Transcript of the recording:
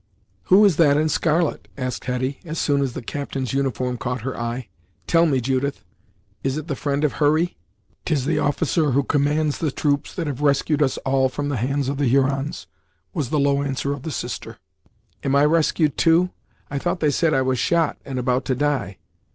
"Who is that in scarlet?" asked Hetty, as soon as the Captain's uniform caught her eye. "Tell me, Judith, is it the friend of Hurry?" "'Tis the officer who commands the troops that have rescued us all from the hands of the Hurons," was the low answer of the sister. "Am I rescued, too! I thought they said I was shot, and about to die.